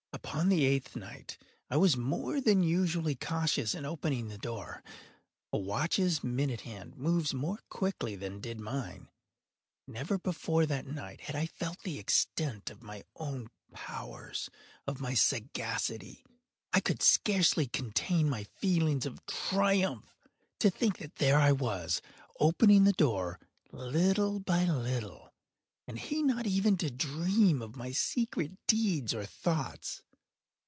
Upon the eighth night I was more than usually cautious in opening the door. A watch’s minute hand moves more quickly than did mine. Never before that night had I felt the extent of my own powers—of my sagacity. I could scarcely contain my feelings of triumph. To think that there I was, opening the door, little by little, and he not even to dream of my secret deeds or thoughts.